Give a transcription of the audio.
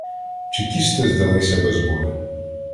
Чекісти здалися без бою.